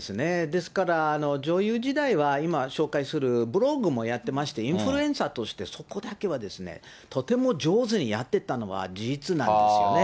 ですから、女優時代は今、紹介するブログもやってまして、インフルエンサーとして、そこだけはとても上手にやってたのは事実なんですよね。